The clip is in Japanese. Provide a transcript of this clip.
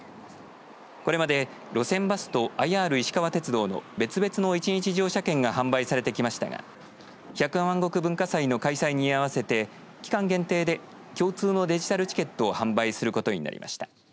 これまで路線バスとＩＲいしかわ鉄道の別々の１日乗車券が販売されてきましたが百万石文化祭の開催に合わせて期間限定で共通のデジタルチケットを販売することになりました。